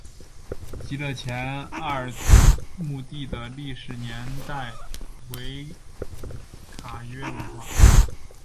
极乐前二村墓地的历史年代为卡约文化。